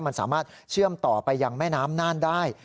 มันสามารถเชื่อมต่อไปยังแม่น้ำน่านได้